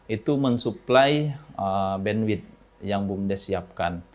itu mensupply bandwidth yang bumdes siapkan